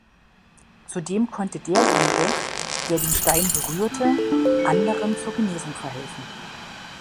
Zudem konnte derjenige, der den Stein berührte anderen zur Genesung verhelfen.